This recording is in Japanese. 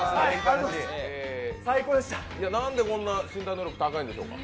なんでこんな身体能力が高いんでしょうか。